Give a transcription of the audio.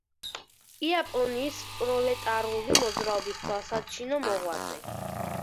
იაპონიის პროლეტარული მოძრაობის თვალსაჩინო მოღვაწე.